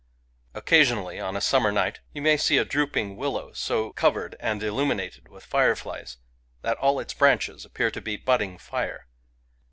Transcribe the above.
Occasionally, on a summer night, you may see a drooping wil low so covered and illuminated with fireflies that all its branches appear " to be budding fire."